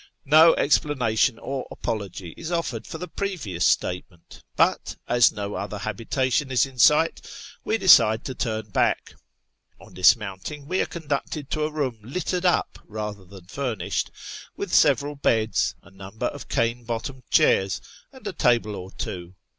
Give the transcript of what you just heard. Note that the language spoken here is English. No explanation or apology is offered for the previous statement, but, as no other habitation is in sight, we decide to turn back. On dismounting, we are conducted to a room littered up, rather than furnished, with several beds, a number of cane bottomed chairs, and a table or two.